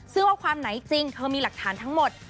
ซึ่งว่าความไหนจริงเธอมีหลักฐานทั้งหมด